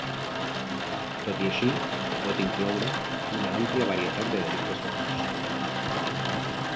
Tot i així, pot incloure una àmplia varietat de delictes menors.